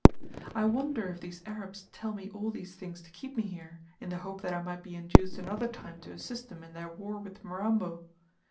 I wonder if these Arabs tell me all these things to keep me here, in the hope that I might be induced another time to assist them in their war with Mirambo!